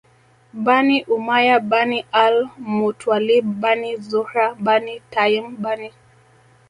Bani Umayyah Bani al Muttwalib Bani Zuhrah Bani Taym Bani